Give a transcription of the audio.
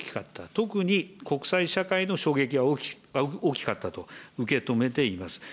特に国際社会の衝撃は大きかったと受け止めています。